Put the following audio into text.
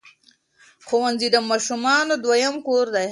ښوونځي د ماشومانو دویم کور دی.